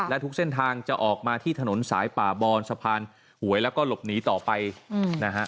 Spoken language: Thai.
และทุกเส้นทางจะออกมาที่ถนนสายป่าบอนสะพานหวยแล้วก็หลบหนีต่อไปนะฮะ